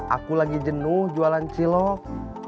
aku lagi jenuh jualan cilok